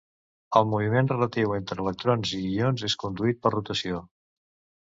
El moviment relatiu entre electrons i ions és conduït per rotació.